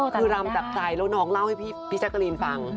คือรำจากใจแล้วน้องเล่าให้พี่แจ๊กกะรีนฟัง